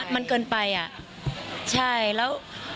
มันเกินไปอ่ะใช่แล้ว